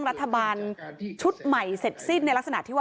รัฐบาลชุดใหม่เสร็จสิ้นในลักษณะที่ว่า